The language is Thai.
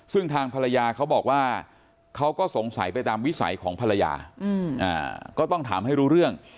ซึ่งทางภรรยาเขาบอกว่าเขาก็สงสัยไปตามวิสัยของภรรยาก็ต้องถามให้รู้เรื่อง